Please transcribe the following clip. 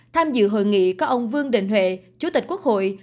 tham dự hội nghị có ông vương đình huệ chủ tịch quốc hội